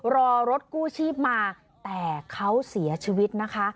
รอรถกู้ชีพมาแต่เขาเสียชีวิตนะคะ